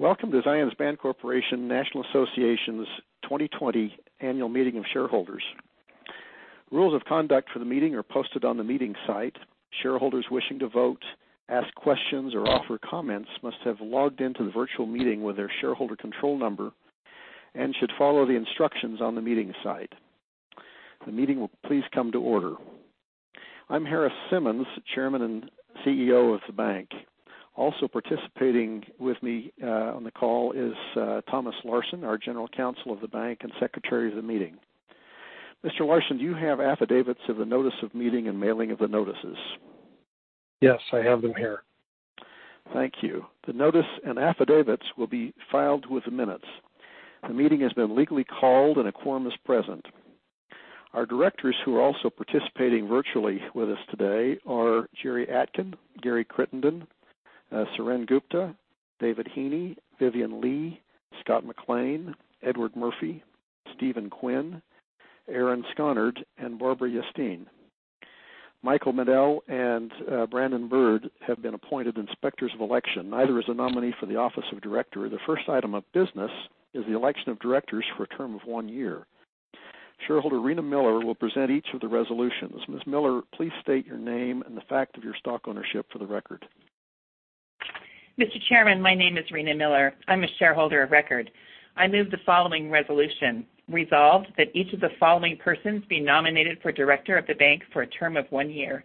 Welcome to Zions Bancorporation, National Association's 2020 Annual Meeting of Shareholders. Rules of conduct for the meeting are posted on the meeting site. Shareholders wishing to vote, ask questions, or offer comments must have logged into the virtual meeting with their shareholder control number and should follow the instructions on the meeting site. The meeting will please come to order. I'm Harris Simmons, Chairman and CEO of the bank. Also participating with me on the call is Thomas Laursen, our General Counsel of the bank and Secretary of the meeting. Mr. Laursen, do you have affidavits of the notice of meeting and mailing of the notices? Yes, I have them here. Thank you. The notice and affidavits will be filed with the minutes. The meeting has been legally called, and a quorum is present. Our directors, who are also participating virtually with us today, are Jerry Atkin, Gary Crittenden, Suren Gupta, David Heaney, Vivian Lee, Scott McLean, Edward Murphy, Stephen Quinn, Aaron Skonnard, and Barbara Yastine. Michael Middell and Brandon Bird have been appointed inspectors of election. Neither is a nominee for the office of director. The first item of business is the election of directors for a term of one year. shareholder Rena Miller will present each of the resolutions. Ms. Miller, please state your name and the fact of your stock ownership for the record. Mr. Chairman, my name is Rena Miller. I'm a shareholder of record. I move the following resolution: Resolved, that each of the following persons be nominated for director of the bank for a term of one year.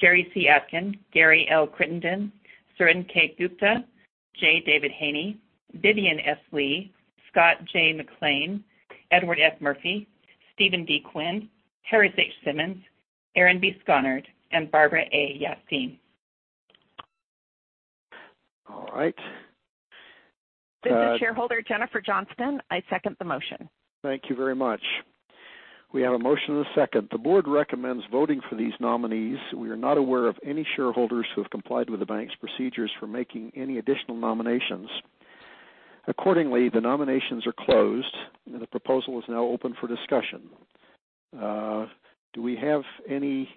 Jerry C. Atkin, Gary L. Crittenden, Suren K. Gupta, J. David Heaney, Vivian S. Lee, Scott J. McLean, Edward F. Murphy, Stephen D. Quinn, Harris H. Simmons, Aaron B. Skonnard, and Barbara A. Yastine. All right. This is shareholder Jennifer Johnston. I second the motion. Thank you very much. We have a motion and a second. The board recommends voting for these nominees. We are not aware of any shareholders who have complied with the bank's procedures for making any additional nominations. Accordingly, the nominations are closed, and the proposal is now open for discussion. Do we have any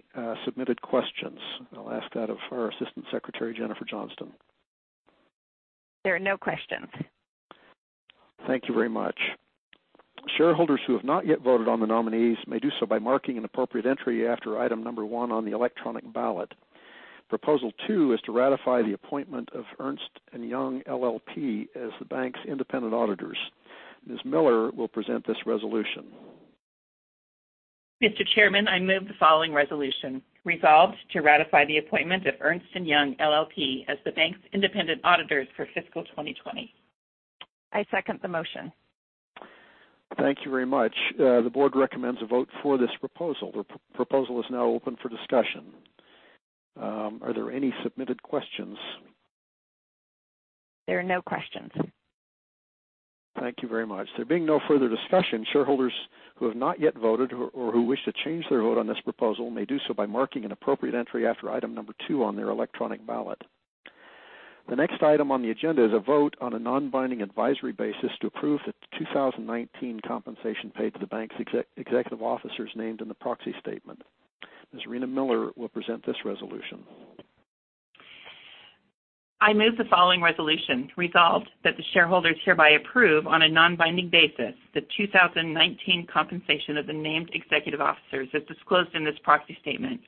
submitted questions? I'll ask that of our assistant secretary, Jennifer Johnston. There are no questions. Thank you very much. Shareholders who have not yet voted on the nominees may do so by marking an appropriate entry after item number one on the electronic ballot. Proposal two is to ratify the appointment of Ernst & Young LLP as the bank's independent auditors. Ms. Miller will present this resolution. Mr. Chairman, I move the following resolution: Resolved, to ratify the appointment of Ernst & Young LLP as the bank's independent auditors for fiscal 2020. I second the motion. Thank you very much. The board recommends a vote for this proposal. The proposal is now open for discussion. Are there any submitted questions? There are no questions. Thank you very much. There being no further discussion, shareholders who have not yet voted or who wish to change their vote on this proposal may do so by marking an appropriate entry after Item 2 on their electronic ballot. The next item on the agenda is a vote on a non-binding advisory basis to approve the 2019 compensation paid to the bank's executive officers named in the proxy statement. Ms. Rena Miller will present this resolution. I move the following resolution: Resolved, that the shareholders hereby approve on a non-binding basis the 2019 Compensation of the Named Executive Officers as disclosed in this proxy statement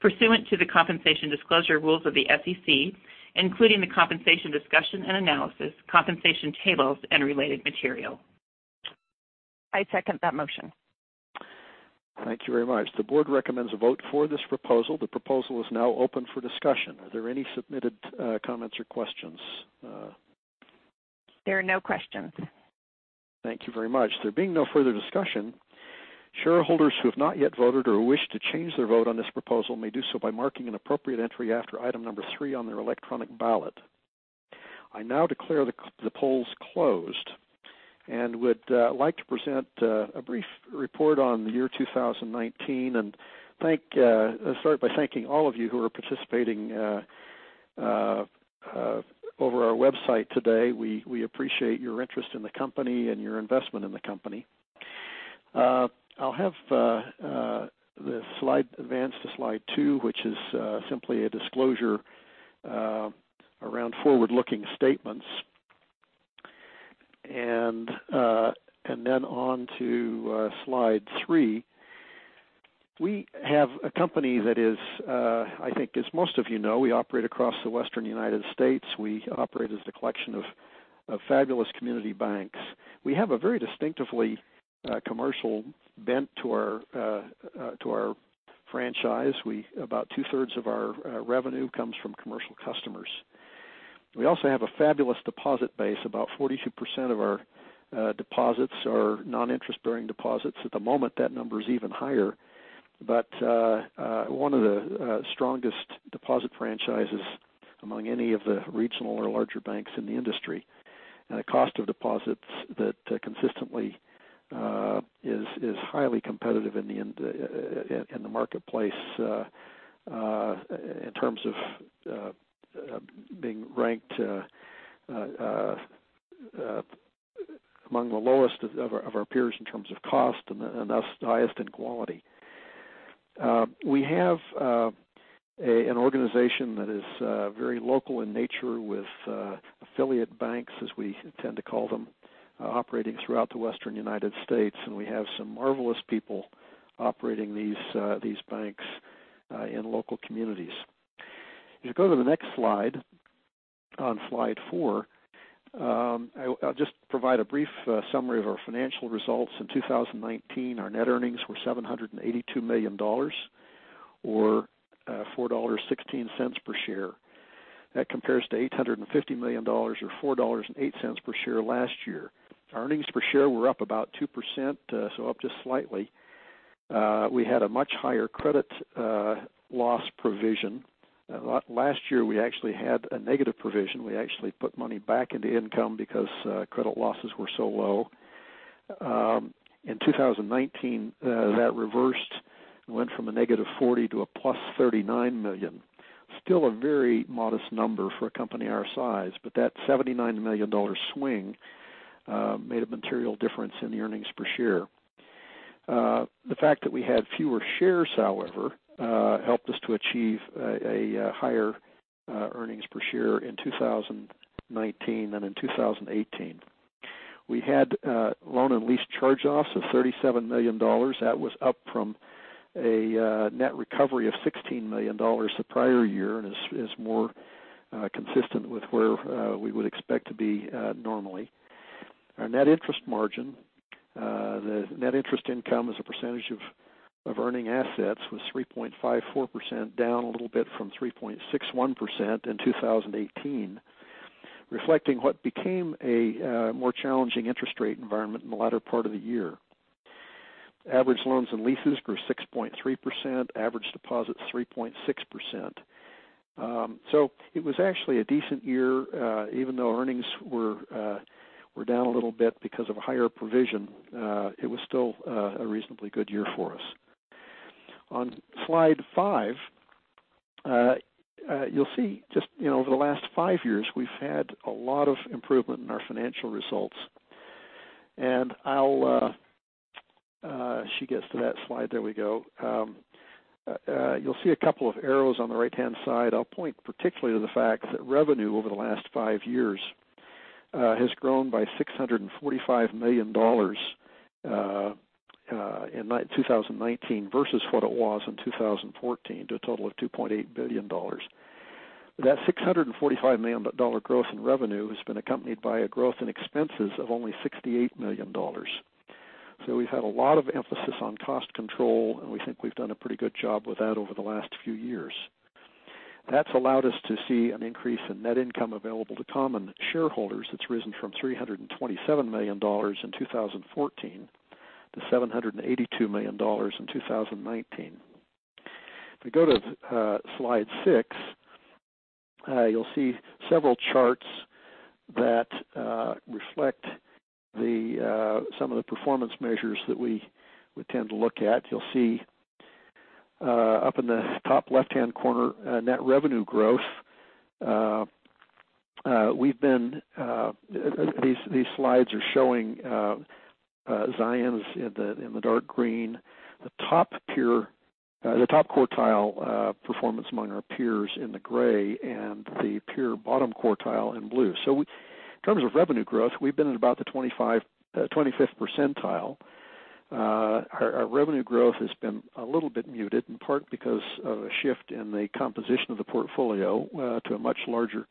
pursuant to the compensation disclosure rules of the SEC, including the compensation discussion and analysis, compensation tables, and related material. I second that motion. Thank you very much. The board recommends a vote for this proposal. The proposal is now open for discussion. Are there any submitted comments or questions? There are no questions. Thank you very much. There being no further discussion, shareholders who have not yet voted or who wish to change their vote on this proposal may do so by marking an appropriate entry after Item 3 on their electronic ballot. I now declare the polls closed and would like to present a brief report on the year 2019 and start by thanking all of you who are participating over our website today. We appreciate your interest in the company and your investment in the company. I'll have the slide advance to slide two, which is simply a disclosure around forward-looking statements. Then on to slide three. We have a company that is, I think as most of you know, we operate across the Western United States. We operate as a collection of fabulous community banks. We have a very distinctively commercial bent to our franchise. About 2/3 of our revenue comes from commercial customers. We also have a fabulous deposit base, about 42% of our deposits are non-interest bearing deposits. At the moment, that number is even higher, but one of the strongest deposit franchises among any of the regional or larger banks in the industry, and a cost of deposits that consistently is highly competitive in the marketplace in terms of being ranked among the lowest of our peers in terms of cost and thus highest in quality. We have an organization that is very local in nature with affiliate banks, as we tend to call them, operating throughout the Western United States, and we have some marvelous people operating these banks in local communities. If you go to the next slide, on slide four, I'll just provide a brief summary of our financial results. In 2019, our net earnings were $782 million, or $4.16 per share. That compares to $850 million, or $4.08 per share last year. Our earnings per share were up about 2%, so up just slightly. We had a much higher credit loss provision. Last year, we actually had a negative provision. We actually put money back into income because credit losses were so low. In 2019, that reversed and went from -$40 million to +$39 million. Still a very modest number for a company our size, but that $79 million swing made a material difference in the earnings per share. The fact that we had fewer shares, however, helped us to achieve a higher earnings per share in 2019 than in 2018. We had loan and lease charge-offs of $37 million. That was up from a net recovery of $16 million the prior year, is more consistent with where we would expect to be normally. Our net interest margin, the net interest income as a percentage of earning assets, was 3.54%, down a little bit from 3.61% in 2018, reflecting what became a more challenging interest rate environment in the latter part of the year. Average loans and leases grew 6.3%, average deposits 3.6%. It was actually a decent year, even though earnings were down a little bit because of a higher provision. It was still a reasonably good year for us. On slide five, you'll see just over the last five years, we've had a lot of improvement in our financial results. As she gets to that slide, there we go. You'll see a couple of arrows on the right-hand side. I'll point particularly to the fact that revenue over the last five years has grown by $645 million in 2019 versus what it was in 2014, to a total of $2.8 billion. That $645 million growth in revenue has been accompanied by a growth in expenses of only $68 million. We've had a lot of emphasis on cost control, and we think we've done a pretty good job with that over the last few years. That's allowed us to see an increase in net income available to common shareholders. It's risen from $327 million in 2014 to $782 million in 2019. If we go to slide six, you'll see several charts that reflect some of the performance measures that we tend to look at. You'll see up in the top left-hand corner, net revenue growth. These slides are showing Zions in the dark green, the top quartile performance among our peers in the gray, and the peer bottom quartile in blue. In terms of revenue growth, we've been at about the 25th percentile. Our revenue growth has been a little bit muted, in part because of a shift in the composition of the portfolio to a much larger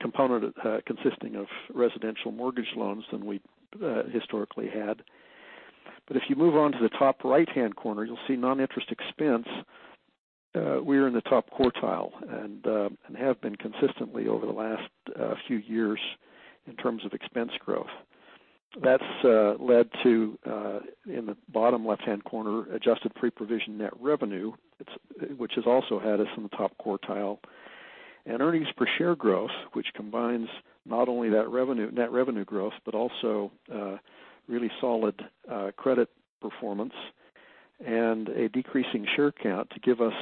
component consisting of residential mortgage loans than we historically had. If you move on to the top right-hand corner, you'll see non-interest expense. We are in the top quartile and have been consistently over the last few years in terms of expense growth. That's led to, in the bottom left-hand corner, adjusted pre-provision net revenue, which has also had us in the top quartile. Earnings per share growth, which combines not only that net revenue growth, but also really solid credit performance and a decreasing share count to give us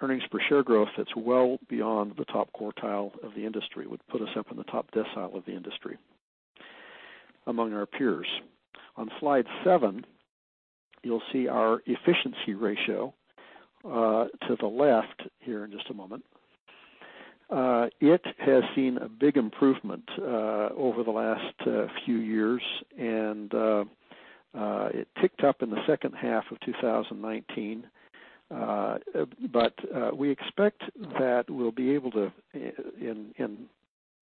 earnings per share growth that's well beyond the top quartile of the industry. Would put us up in the top decile of the industry among our peers. On slide seven, you'll see our efficiency ratio to the left here in just a moment. It has seen a big improvement over the last few years, and it ticked up in the second half of 2019. We expect that we'll be able to, in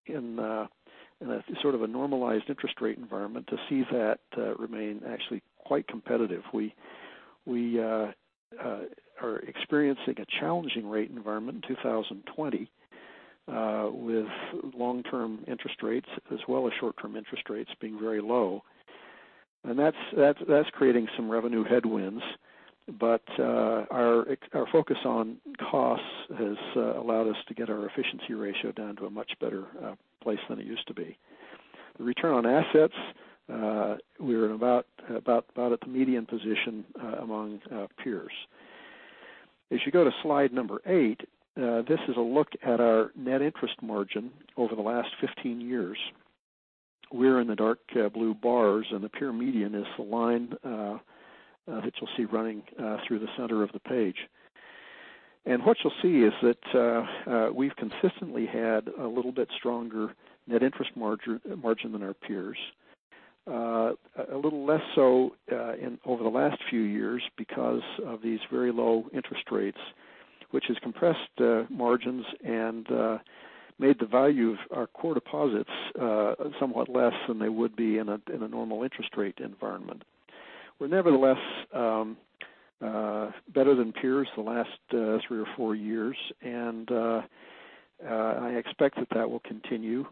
a sort of a normalized interest rate environment, to see that remain actually quite competitive. We are experiencing a challenging rate environment in 2020 with long-term interest rates as well as short-term interest rates being very low, and that's creating some revenue headwinds. Our focus on costs has allowed us to get our efficiency ratio down to a much better place than it used to be. The return on assets, we are about at the median position among peers. As you go to slide number eight, this is a look at our net interest margin over the last 15 years. We're in the dark blue bars, and the peer median is the line that you'll see running through the center of the page. What you'll see is that we've consistently had a little bit stronger net interest margin than our peers. A little less so over the last few years because of these very low interest rates, which has compressed margins and made the value of our core deposits somewhat less than they would be in a normal interest rate environment. We're nevertheless better than peers the last three or four years, and I expect that that will continue.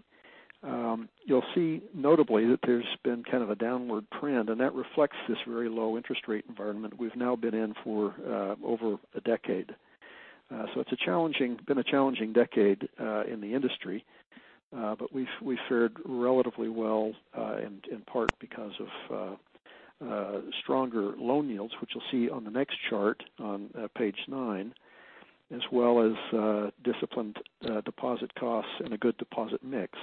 You'll see notably that there's been kind of a downward trend, and that reflects this very low interest rate environment we've now been in for over a decade. It's been a challenging decade in the industry. We've fared relatively well in part because of stronger loan yields, which you'll see on the next chart on page nine, as well as disciplined deposit costs and a good deposit mix.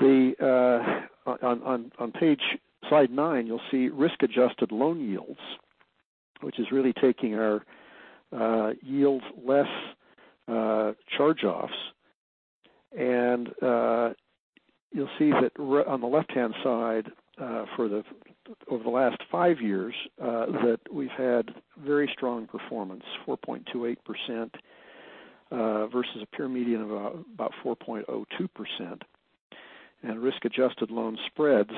On slide nine, you'll see risk-adjusted loan yields, which is really taking our yields less charge-offs. You'll see that on the left-hand side over the last five years, that we've had very strong performance, 4.28%, versus a peer median of about 4.02% in risk-adjusted loan spreads,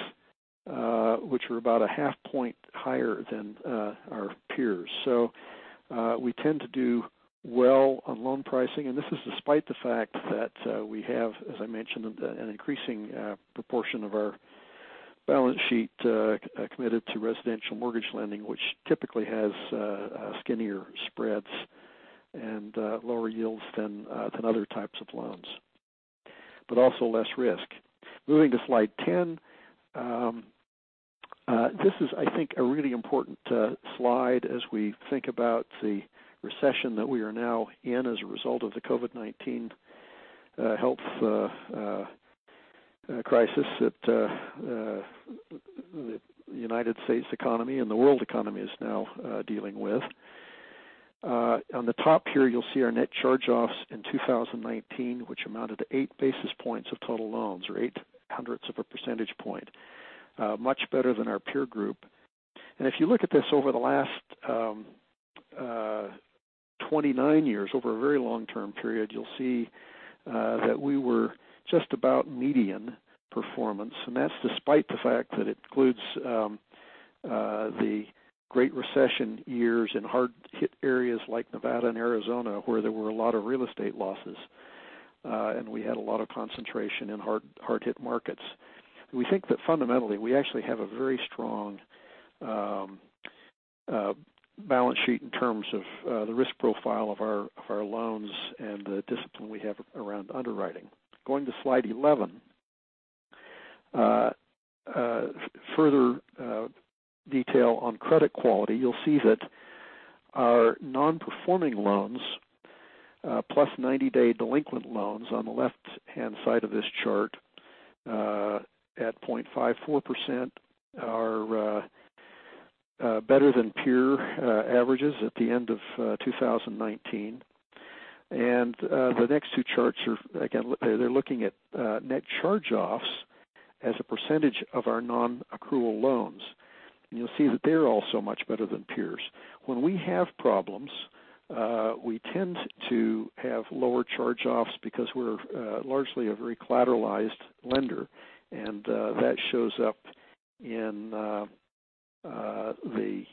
which are about a half point higher than our peers. We tend to do well on loan pricing. This is despite the fact that we have, as I mentioned, an increasing proportion of our balance sheet committed to residential mortgage lending, which typically has skinnier spreads and lower yields than other types of loans, but also less risk. Moving to slide 10. This is, I think, a really important slide as we think about the recession that we are now in as a result of the COVID-19 health crisis that the United States economy and the world economy is now dealing with. On the top here, you'll see our net charge-offs in 2019, which amounted to eight basis points of total loans or 8/100 of a percentage point. Much better than our peer group. If you look at this over the last 29 years, over a very long-term period, you'll see that we were just about median performance. That's despite the fact that it includes the Great Recession years in hard-hit areas like Nevada and Arizona, where there were a lot of real estate losses. We had a lot of concentration in hard-hit markets. We think that fundamentally, we actually have a very strong balance sheet in terms of the risk profile of our loans and the discipline we have around underwriting. Going to slide 11. Further detail on credit quality. You'll see that our non-performing loans, +90-day delinquent loans on the left-hand side of this chart at 0.54% are better than peer averages at the end of 2019. The next two charts are, again, they're looking at net charge-offs as a percentage of our non-accrual loans. You'll see that they're also much better than peers. When we have problems, we tend to have lower charge-offs because we're largely a very collateralized lender. That shows up in the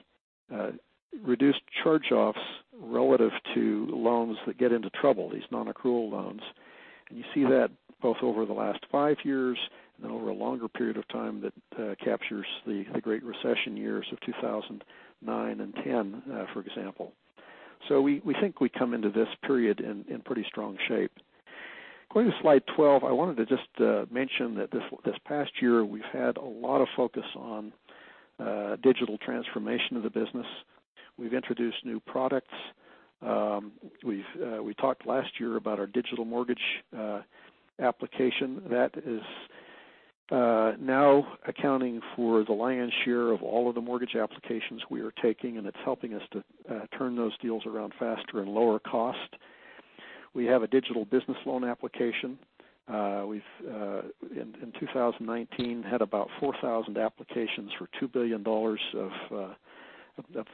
reduced charge-offs relative to loans that get into trouble, these non-accrual loans. You see that both over the last five years and then over a longer period of time that captures the Great Recession years of 2009 and 2010, for example. We think we come into this period in pretty strong shape. Going to slide 12, I wanted to just mention that this past year, we've had a lot of focus on digital transformation of the business. We've introduced new products. We talked last year about our digital mortgage application that is now accounting for the lion's share of all of the mortgage applications we are taking, and it's helping us to turn those deals around faster and lower cost. We have a digital business loan application. We've in 2019 had about 4,000 applications for $2 billion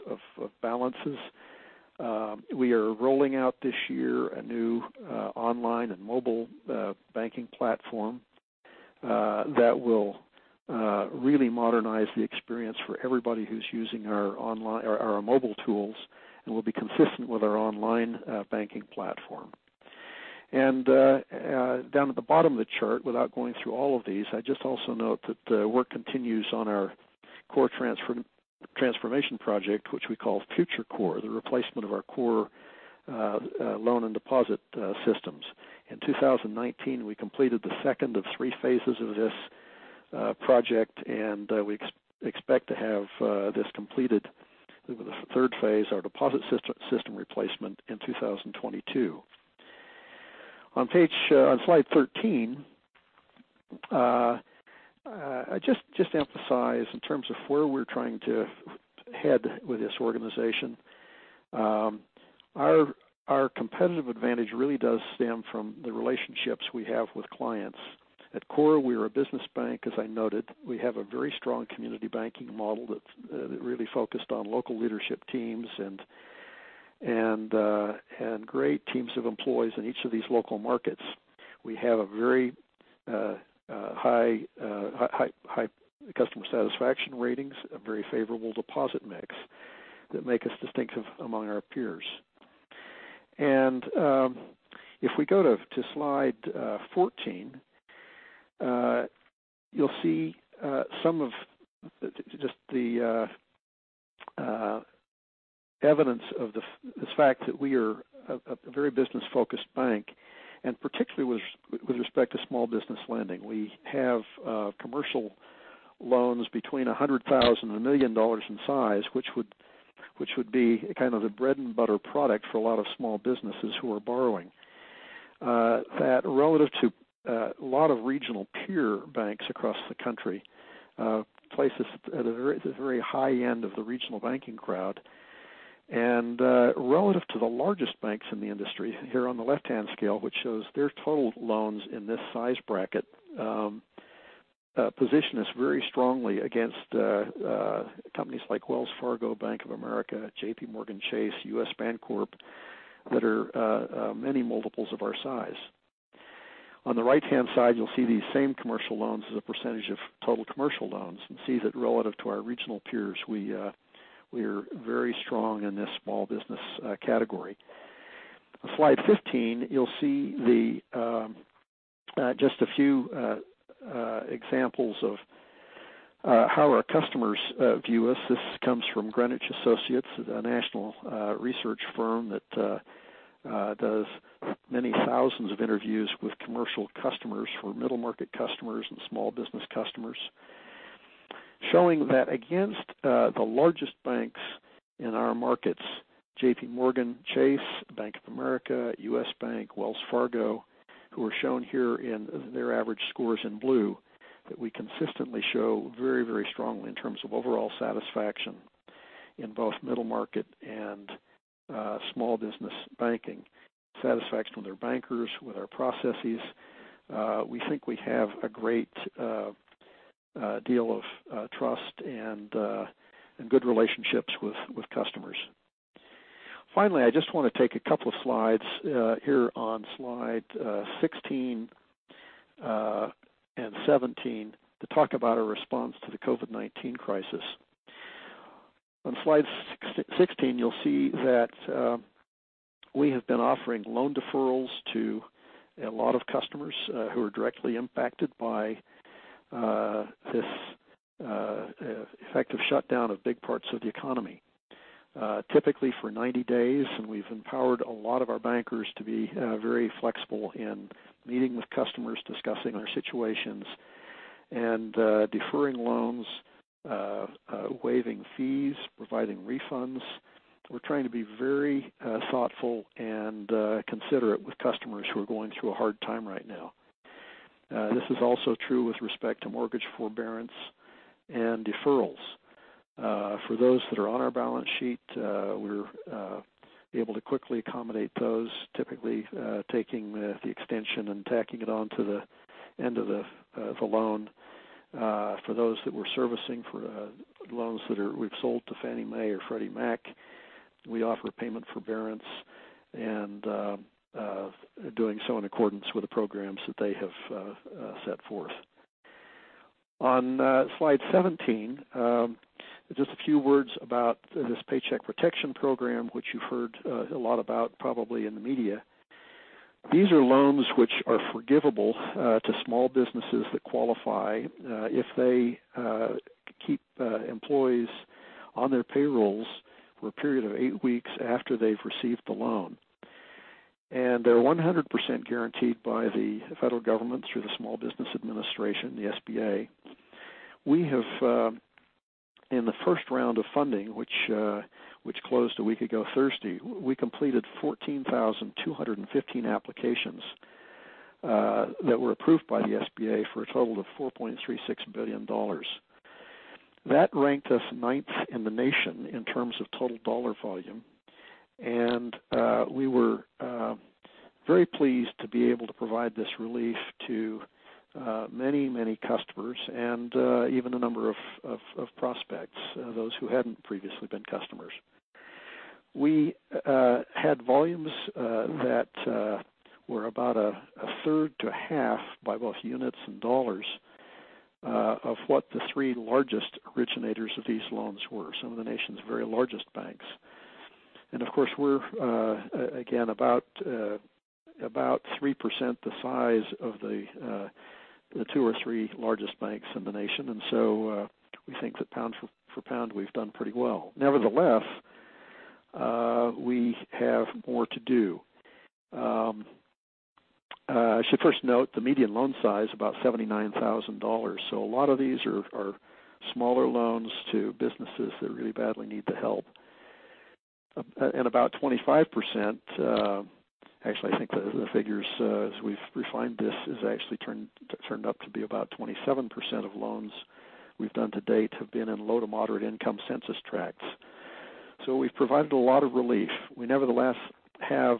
of balances. We are rolling out this year a new online and mobile banking platform that will really modernize the experience for everybody who's using our mobile tools and will be consistent with our online banking platform. Down at the bottom of the chart, without going through all of these, I'd just also note that work continues on our core transformation project, which we call FutureCore, the replacement of our core loan and deposit systems. In 2019, we completed the second of three phases of this project, and we expect to have this completed with the third phase, our deposit system replacement, in 2022. On slide 13, just to emphasize in terms of where we're trying to head with this organization. Our competitive advantage really does stem from the relationships we have with clients. At core, we're a business bank, as I noted. We have a very strong community banking model that really focused on local leadership teams and great teams of employees in each of these local markets. We have a very high customer satisfaction ratings, a very favorable deposit mix that make us distinctive among our peers. If we go to slide 14, you'll see some of just the evidence of this fact that we are a very business-focused bank, and particularly with respect to small business lending. We have commercial loans between $100,000 and $1 million in size, which would be kind of the bread and butter product for a lot of small businesses who are borrowing. That relative to a lot of regional peer banks across the country, places at a very high end of the regional banking crowd. Relative to the largest banks in the industry, here on the left-hand scale, which shows their total loans in this size bracket, position us very strongly against companies like Wells Fargo, Bank of America, JPMorgan Chase, U.S. Bancorp, that are many multiples of our size. On the right-hand side, you'll see these same commercial loans as a percentage of total commercial loans, and see that relative to our regional peers, we're very strong in this small business category. Slide 15, you'll see just a few examples of how our customers view us. This comes from Greenwich Associates, a national research firm that does many thousands of interviews with commercial customers, for middle market customers and small business customers, showing that against the largest banks in our markets, JPMorgan Chase, Bank of America, U.S. Bank, Wells Fargo, who are shown here in their average scores in blue, that we consistently show very strongly in terms of overall satisfaction in both middle market and small business banking, satisfaction with their bankers, with our processes. We think we have a great deal of trust and good relationships with customers. I just want to take a couple of slides here on slide 16 and 17 to talk about our response to the COVID-19 crisis. On slide 16, you'll see that we have been offering loan deferrals to a lot of customers who are directly impacted by this effective shutdown of big parts of the economy typically for 90 days, and we've empowered a lot of our bankers to be very flexible in meeting with customers, discussing our situations, and deferring loans, waiving fees, providing refunds. We're trying to be very thoughtful and considerate with customers who are going through a hard time right now. This is also true with respect to mortgage forbearance and deferrals. For those that are on our balance sheet, we're able to quickly accommodate those, typically taking the extension and tacking it on to the end of the loan. For those that we're servicing for loans that we've sold to Fannie Mae or Freddie Mac, we offer payment forbearance, and doing so in accordance with the programs that they have set forth. On slide 17, just a few words about this Paycheck Protection Program, which you've heard a lot about probably in the media. These are loans which are forgivable to small businesses that qualify if they keep employees on their payrolls for a period of eight weeks after they've received the loan. They're 100% guaranteed by the federal government through the Small Business Administration, the SBA. We have, in the first round of funding, which closed a week ago Thursday, we completed 14,215 applications that were approved by the SBA for a total of $4.36 billion. That ranked us ninth in the nation in terms of total dollar volume. We were very pleased to be able to provide this relief to many customers and even a number of prospects, those who hadn't previously been customers. We had volumes that were about 1/3 to 1/2 by both units and dollars of what the three largest originators of these loans were, some of the nation's very largest banks. Of course, we're again, about 3% the size of the two or three largest banks in the nation. We think that pound for pound, we've done pretty well, nevertheless, we have more to do. I should first note the median loan size, about $79,000. A lot of these are smaller loans to businesses that really badly need the help. About 25%, actually, I think the figures, as we've refined this, has actually turned up to be about 27% of loans we've done to date have been in low to moderate income census tracts. We've provided a lot of relief. We nevertheless have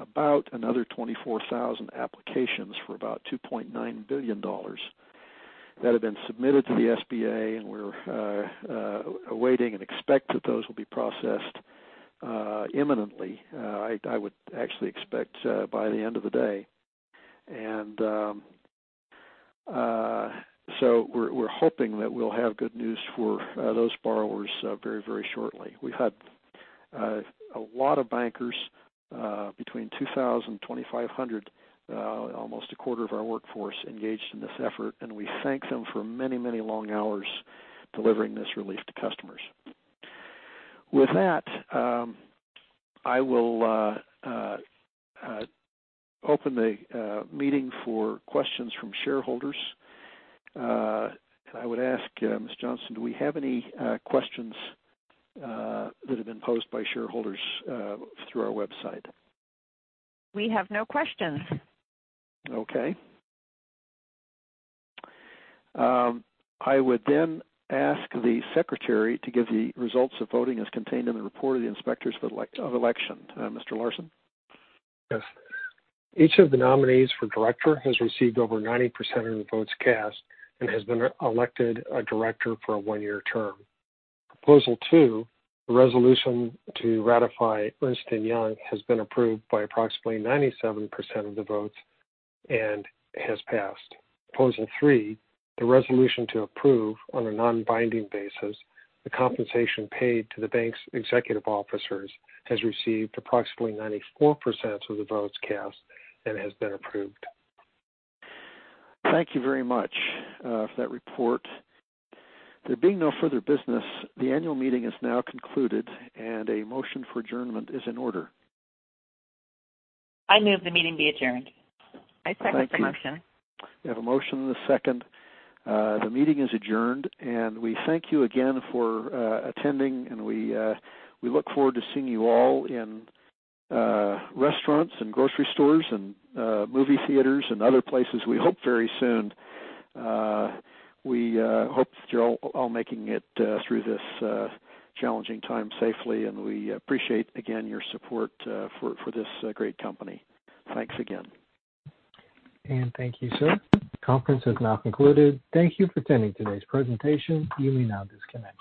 about another 24,000 applications for about $2.9 billion that have been submitted to the SBA, and we're awaiting and expect that those will be processed imminently. I would actually expect by the end of the day. We're hoping that we'll have good news for those borrowers very shortly. We've had a lot of bankers, between 2,000- 2,500, almost 1/4 of our workforce engaged in this effort, and we thank them for many long hours delivering this relief to customers. With that, I will open the meeting for questions from shareholders. I would ask Ms. Johnston, do we have any questions that have been posed by shareholders through our website? We have no questions. Okay. I would then ask the secretary to give the results of voting as contained in the report of the Inspectors of Election. Mr. Laursen? Yes. Each of the nominees for director has received over 90% of the votes cast and has been elected a director for a one-year term. Proposal 2, the resolution to ratify Ernst & Young has been approved by approximately 97% of the votes and has passed. Proposal 3, the resolution to approve on a non-binding basis the compensation paid to the bank's executive officers has received approximately 94% of the votes cast and has been approved. Thank you very much for that report. There being no further business, the annual meeting is now concluded, and a motion for adjournment is in order. I move the meeting be adjourned. I second the motion. Thank you. We have a motion and a second. The meeting is adjourned, and we thank you again for attending, and we look forward to seeing you all in restaurants and grocery stores and movie theaters and other places, we hope very soon. We hope that you're all making it through this challenging time safely, and we appreciate, again, your support for this great company. Thanks again. Thank you, sir. Conference has now concluded. Thank you for attending today's presentation. You may now disconnect.